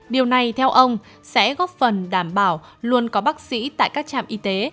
điều này theo ông sẽ góp phần đảm bảo luôn có bác sĩ tại các trạm y tế